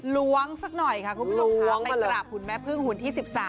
ล้วงสักหน่อยค่ะคุณผู้ชมค่ะไปกราบหุ่นแม่พึ่งหุ่นที่๑๓